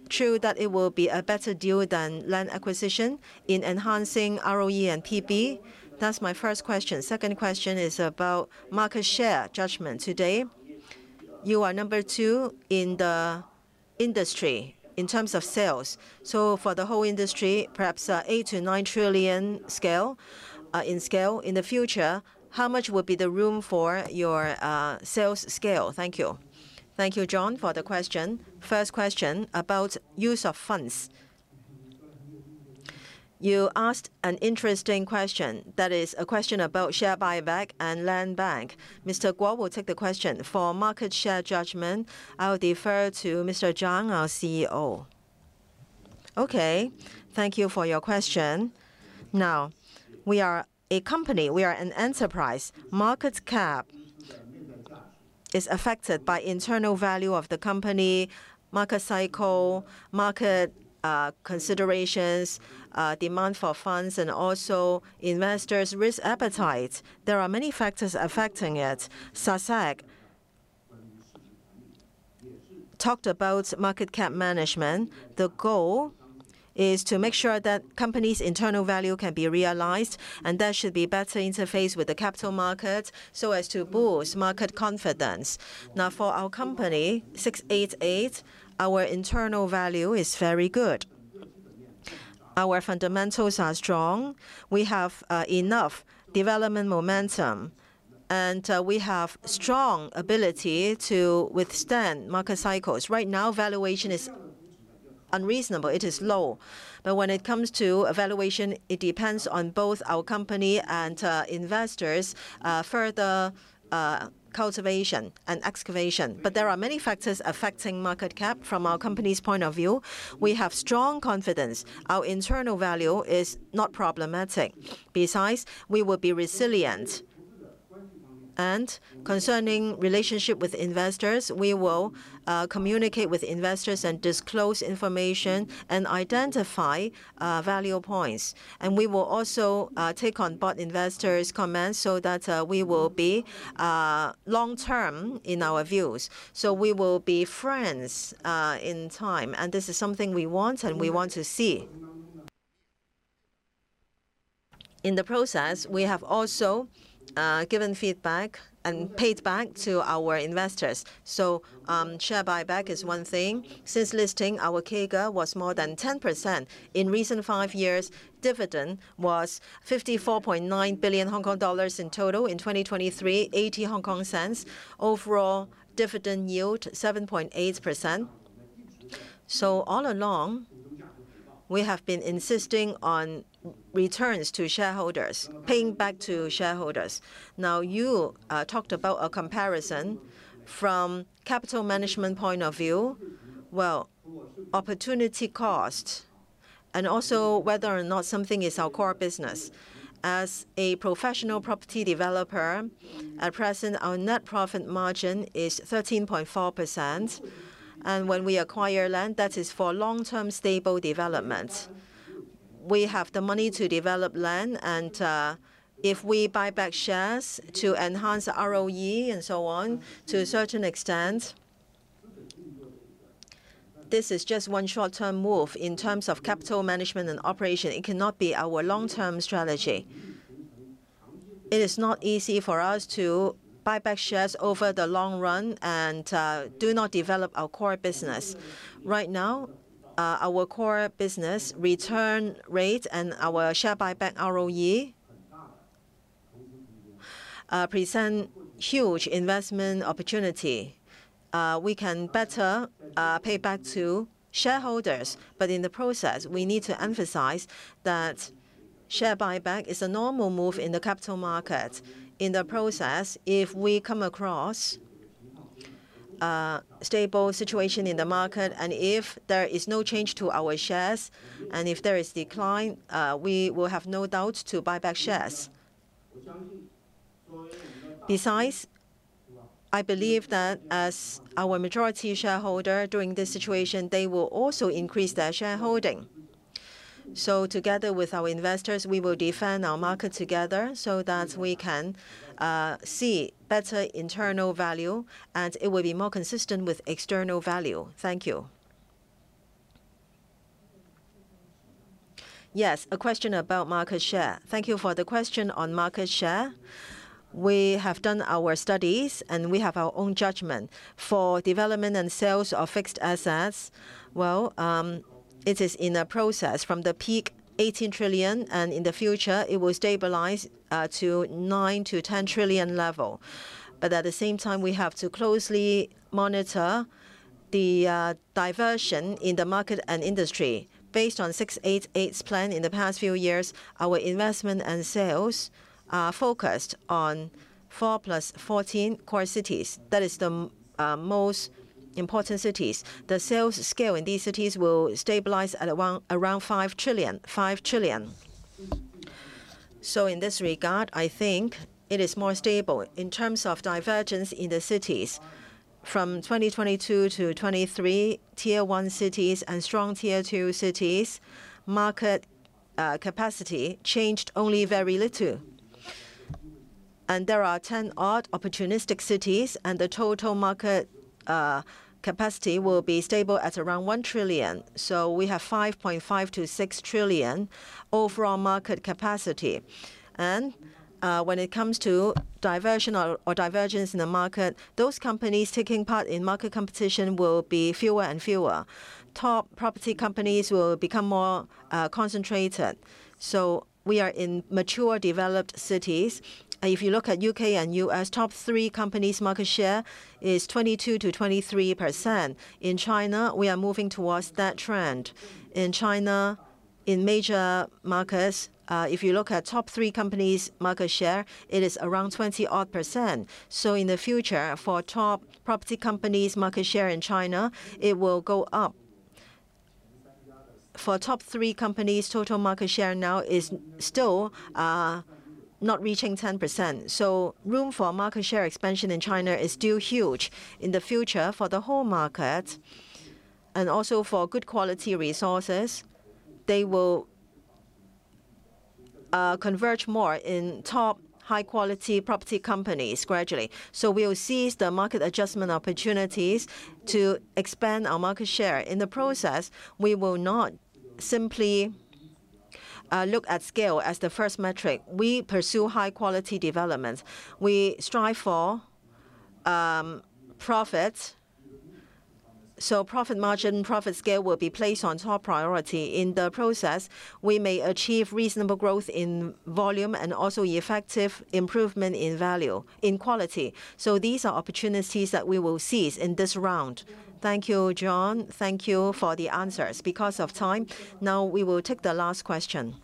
true that it will be a better deal than land acquisition in enhancing ROE and PB? That's my first question. Second question is about market share judgment today. You are number two in the industry in terms of sales. So for the whole industry, perhaps 8-9 trillion scale in scale, in the future, how much would be the room for your sales scale? Thank you. Thank you, John, for the question. First question about use of funds. You asked an interesting question. That is a question about share buyback and land bank. Mr. Guo will take the question. For market share judgment, I will defer to Mr. Zhang, our CEO. Okay. Thank you for your question. Now, we are a company. We are an enterprise. Market cap is affected by internal value of the company, market cycle, market considerations, demand for funds, and also investors' risk appetite. There are many factors affecting it. SASAC talked about market cap management. The goal is to make sure that companies' internal value can be realized, and that should be better interfaced with the capital market so as to boost market confidence. Now, for our company, 688, our internal value is very good. Our fundamentals are strong. We have enough development momentum, and we have strong ability to withstand market cycles. Right now, valuation is unreasonable. It is low. But when it comes to valuation, it depends on both our company and investors' further cultivation and excavation. But there are many factors affecting market cap from our company's point of view. We have strong confidence. Our internal value is not problematic. Besides, we will be resilient. Concerning relationship with investors, we will communicate with investors and disclose information and identify value points. We will also take on bought investors' comments so that we will be long-term in our views. We will be friends in time. This is something we want, and we want to see. In the process, we have also given feedback and paid back to our investors. Share buyback is one thing. Since listing, our CAGR was more than 10%. In recent five years, dividend was 54.9 billion Hong Kong dollars in total. In 2023, 80. Overall dividend yield 7.8%. All along, we have been insisting on returns to shareholders, paying back to shareholders. Now, you talked about a comparison from capital management point of view. Well, opportunity cost and also whether or not something is our core business. As a professional property developer, at present, our net profit margin is 13.4%. When we acquire land, that is for long-term stable development. We have the money to develop land. If we buy back shares to enhance ROE and so on to a certain extent, this is just one short-term move in terms of capital management and operation. It cannot be our long-term strategy. It is not easy for us to buy back shares over the long run and do not develop our core business. Right now, our core business return rate and our share buyback ROE present huge investment opportunity. We can better pay back to shareholders. But in the process, we need to emphasize that share buyback is a normal move in the capital market. In the process, if we come across a stable situation in the market and if there is no change to our shares and if there is decline, we will have no doubt to buy back shares. Besides, I believe that as our majority shareholder during this situation, they will also increase their shareholding. So together with our investors, we will defend our market together so that we can see better internal value, and it will be more consistent with external value. Thank you. Yes, a question about market share. Thank you for the question on market share. We have done our studies, and we have our own judgment. For development and sales of fixed assets, well, it is in a process from the peak 18 trillion, and in the future, it will stabilize to 9 trillion-10 trillion level. But at the same time, we have to closely monitor the divergence in the market and industry. Based on 688's plan in the past few years, our investment and sales are focused on 4+14 core cities. That is the most important cities. The sales scale in these cities will stabilize at around 5 trillion, 5 trillion. So in this regard, I think it is more stable in terms of divergence in the cities. From 2022 to 2023, Tier 1 cities and strong Tier 2 cities, market capacity changed only very little. And there are 10-odd opportunistic cities, and the total market capacity will be stable at around 1 trillion. So we have 5.5 trillion-6 trillion overall market capacity. And when it comes to divergence in the market, those companies taking part in market competition will be fewer and fewer. Top property companies will become more concentrated. So we are in mature developed cities. If you look at U.K. and U.S., top three companies' market share is 22%-23%. In China, we are moving towards that trend. In China, in major markets, if you look at top three companies' market share, it is around 20-odd%. So in the future, for top property companies' market share in China, it will go up. For top three companies, total market share now is still not reaching 10%. So room for market share expansion in China is still huge. In the future, for the whole market and also for good quality resources, they will converge more in top high-quality property companies gradually. So we will seize the market adjustment opportunities to expand our market share. In the process, we will not simply look at scale as the first metric. We pursue high-quality development. We strive for profit. So profit margin, profit scale will be placed on top priority. In the process, we may achieve reasonable growth in volume and also effective improvement in value, in quality. So these are opportunities that we will seize in this round. Thank you, John. Thank you for the answers. Because of time, now we will take the last question.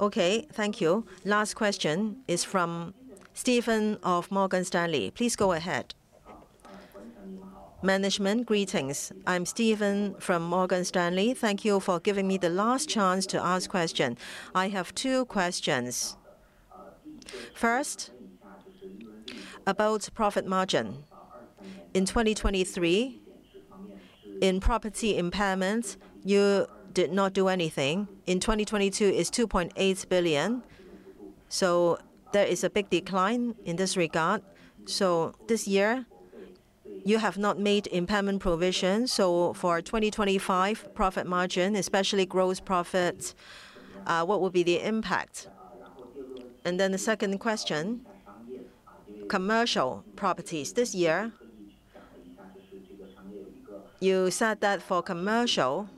Okay. Thank you. Last question is from Stephen of Morgan Stanley. Please go ahead. Management greetings. I'm Stephen from Morgan Stanley. Thank you for giving me the last chance to ask a question. I have two questions. First, about profit margin. In 2023, in property impairments, you did not do anything. In 2022, it is 2.8 billion. So there is a big decline in this regard. So this year, you have not made impairment provisions. So, for 2025, profit margin, especially gross profit, what will be the impact? And then the second question, commercial properties. This year, you said that for commercial,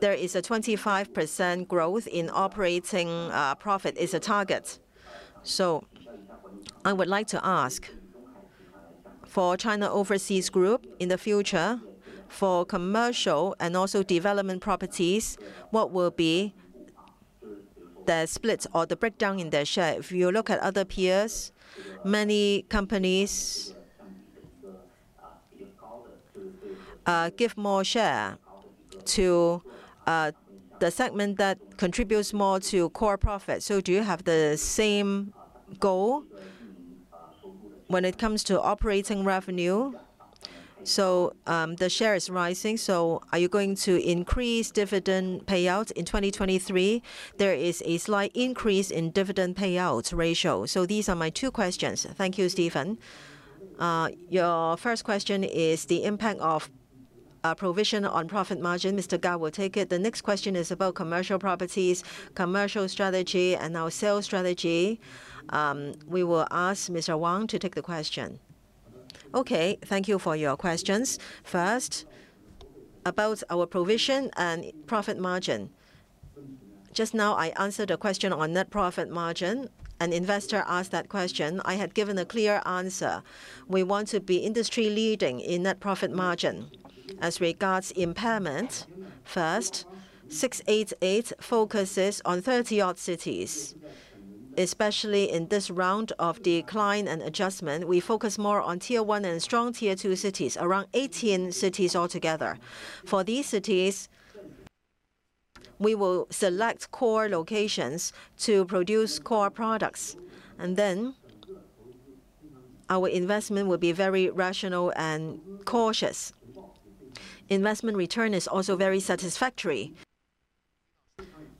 there is a 25% growth in operating profit is a target. So, I would like to ask, for China Overseas Group, in the future, for commercial and also development properties, what will be their split or the breakdown in their share? If you look at other peers, many companies give more share to the segment that contributes more to core profit. So, do you have the same goal when it comes to operating revenue? So, the share is rising. So, are you going to increase dividend payouts? In 2023, there is a slight increase in dividend payout ratio. So, these are my two questions. Thank you, Stephen. Your first question is the impact of provision on profit margin. Mr. Guo will take it. The next question is about commercial properties, commercial strategy, and our sales strategy. We will ask Mr. Wang to take the question. Okay. Thank you for your questions. First, about our provision and profit margin. Just now, I answered a question on net profit margin. An investor asked that question. I had given a clear answer. We want to be industry-leading in net profit margin. As regards impairment, first, 688 focuses on 30-odd cities. Especially in this round of decline and adjustment, we focus more on Tier One and strong Tier Two cities, around 18 cities altogether. For these cities, we will select core locations to produce core products. And then our investment will be very rational and cautious. Investment return is also very satisfactory.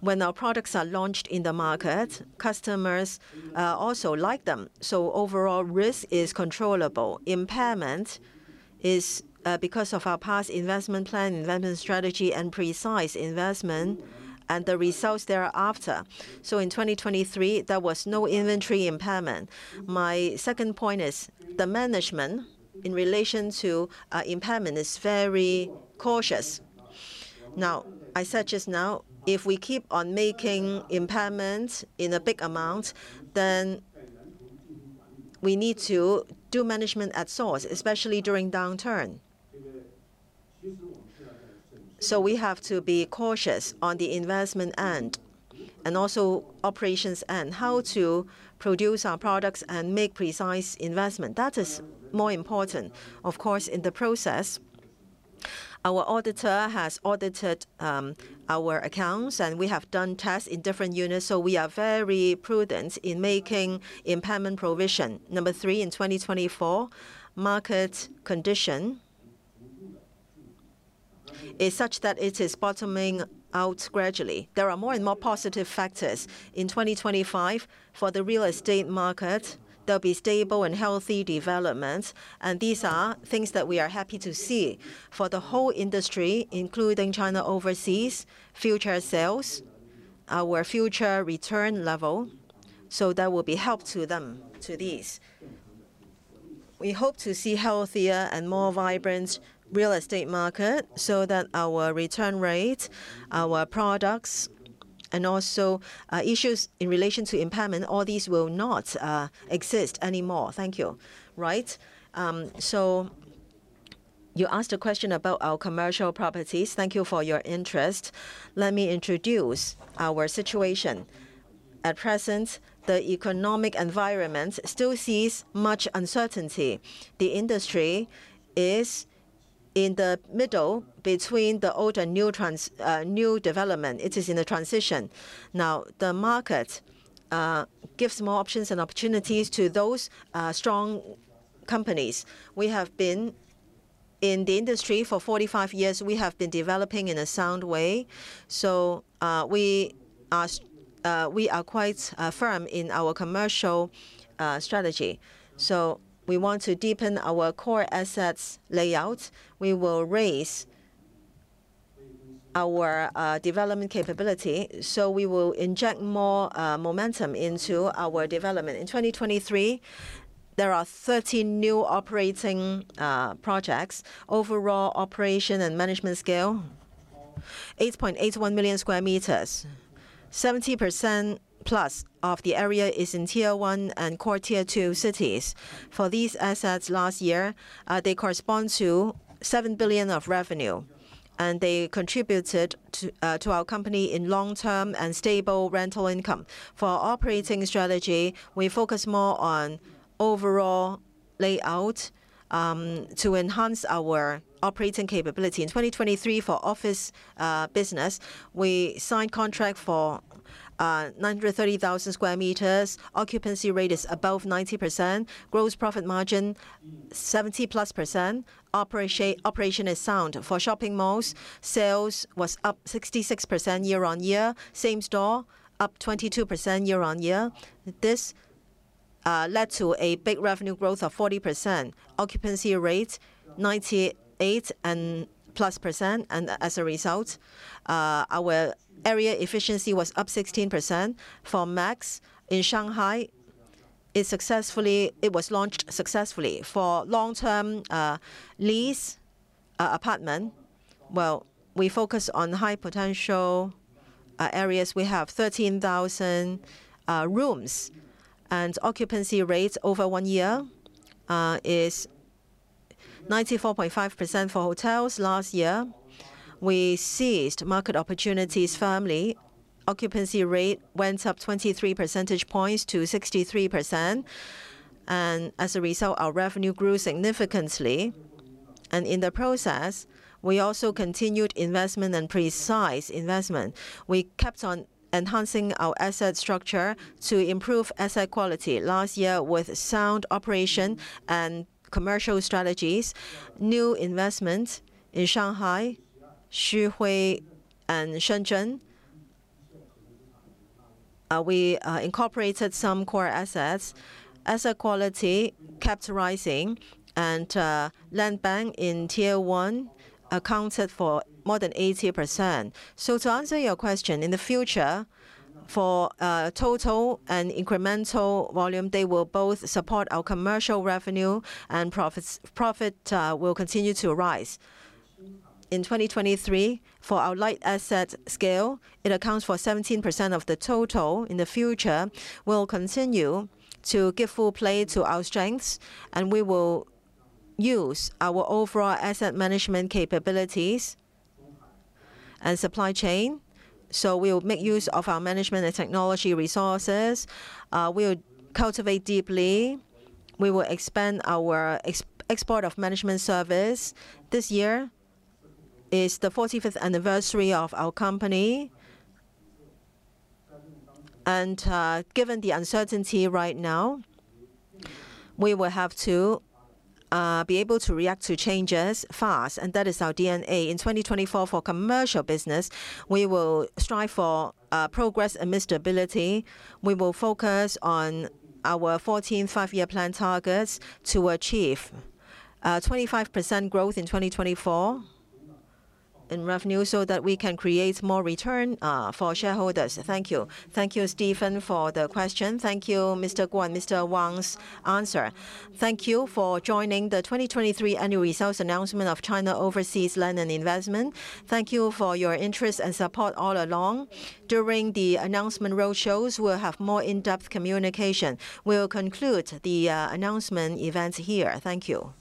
When our products are launched in the market, customers also like them. So overall risk is controllable. Impairment is because of our past investment plan, investment strategy, and precise investment and the results thereafter. So in 2023, there was no inventory impairment. My second point is the management in relation to impairment is very cautious. Now, I said just now, if we keep on making impairments in a big amount, then we need to do management at source, especially during downturn. So we have to be cautious on the investment end and also operations end, how to produce our products and make precise investment. That is more important. Of course, in the process, our auditor has audited our accounts, and we have done tests in different units. So we are very prudent in making impairment provision. Number three, in 2024, market condition is such that it is bottoming out gradually. There are more and more positive factors. In 2025, for the real estate market, there will be stable and healthy development. And these are things that we are happy to see for the whole industry, including China Overseas, future sales, our future return level. So that will be help to them, to these. We hope to see a healthier and more vibrant real estate market so that our return rate, our products, and also issues in relation to impairment, all these will not exist anymore. Thank you. Right. So you asked a question about our commercial properties. Thank you for your interest. Let me introduce our situation. At present, the economic environment still sees much uncertainty. The industry is in the middle between the old and new development. It is in the transition. Now, the market gives more options and opportunities to those strong companies. We have been in the industry for 45 years. We have been developing in a sound way. We are quite firm in our commercial strategy. We want to deepen our core assets layout. We will raise our development capability. We will inject more momentum into our development. In 2023, there are 30 new operating projects. Overall operation and management scale, 8.81 million sq m, 70%+ of the area is in Tier 1 and core Tier 2 cities. For these assets last year, they correspond to 7 billion of revenue, and they contributed to our company in long-term and stable rental income. For our operating strategy, we focus more on overall layout to enhance our operating capability. In 2023, for office business, we signed contract for 930,000 sq m. Occupancy rate is above 90%. Gross profit margin, 70%+. Operation is sound. For shopping malls, sales was up 66% year-on-year. Same store, up 22% year-over-year. This led to a big revenue growth of 40%. Occupancy rate, 98%+. As a result, our area efficiency was up 16%. For MAX in Shanghai, it was launched successfully. For long-term lease apartment, well, we focus on high potential areas. We have 13,000 rooms. Occupancy rate over one year is 94.5% for hotels last year. We seized market opportunities firmly. Occupancy rate went up 23 percentage points to 63%. As a result, our revenue grew significantly. In the process, we also continued investment and precise investment. We kept on enhancing our asset structure to improve asset quality. Last year, with sound operation and commercial strategies, new investments in Shanghai, Xuhui, and Shenzhen, we incorporated some core assets. Asset quality kept rising, and Land Bank in Tier One accounted for more than 80%. So to answer your question, in the future, for total and incremental volume, they will both support our commercial revenue, and profit will continue to rise. In 2023, for our light asset scale, it accounts for 17% of the total. In the future, we'll continue to give full play to our strengths, and we will use our overall asset management capabilities and supply chain. So we will make use of our management and technology resources. We will cultivate deeply. We will expand our export of management service. This year is the 45th anniversary of our company. And given the uncertainty right now, we will have to be able to react to changes fast. And that is our DNA. In 2024, for commercial business, we will strive for progress and stability. We will focus on our 14 five-year plan targets to achieve 25% growth in 2024 in revenue so that we can create more return for shareholders. Thank you. Thank you, Stephen, for the question. Thank you, Mr. Guo and Mr. Wang's answer. Thank you for joining the 2023 annual results announcement of China Overseas Land & Investment. Thank you for your interest and support all along. During the announcement roadshows, we'll have more in-depth communication. We'll conclude the announcement events here. Thank you.